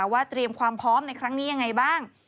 เตรียมความพร้อมในครั้งนี้ยังไงบ้าง